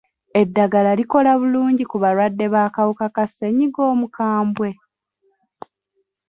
Eddagala likola bulungi ku balwadde b'akawuka ka ssenyiga omukambwe?